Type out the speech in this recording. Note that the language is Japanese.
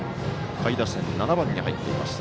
下位打線、７番に入っています。